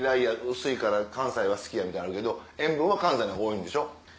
「薄いから関西は好き」みたいのあるけど塩分は関西のほうが多いんでしょ。